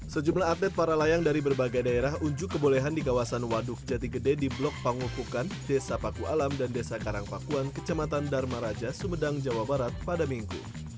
sejumlah atlet para layang dari berbagai daerah unjuk kebolehan di kawasan waduk jati gede di blok pangupukan desa paku alam dan desa karangpakuan kecamatan dharma raja sumedang jawa barat pada minggu